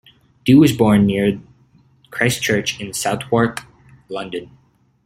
Doo was born near Christ Church in Southwark, London.